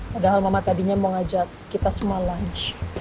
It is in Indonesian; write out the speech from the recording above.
padahal mama tadinya mau ngajak kita semua lunch